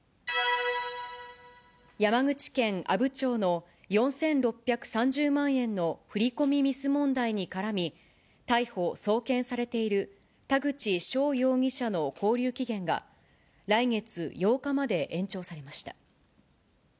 山口県阿武町の４６３０万円の振り込みミス問題に絡み、逮捕・送検されている田口翔容疑者の勾留期限が、来月８日まで延長されました。